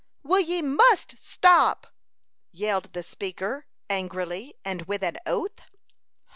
"Well, ye must stop!" yelled the speaker, angrily, and with an oath.